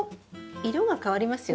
色が変わりますよね？